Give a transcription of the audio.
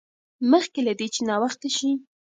مخکې له دې چې ناوخته شي.